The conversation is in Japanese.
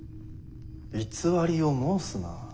偽りを申すな。